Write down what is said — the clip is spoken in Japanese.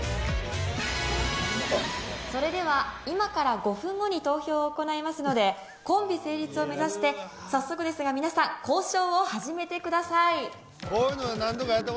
それでは今から５分後に投票を行いますのでコンビ成立を目指して早速ですが皆さん交渉を始めてください